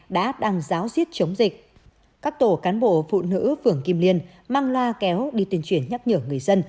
đã đang giáo diết chống dịch các tổ cán bộ phụ nữ phường kim liên mang loa kéo đi tuyển chuyển nhấp nhở người dân